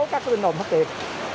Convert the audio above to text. các linh đồn phát tiệt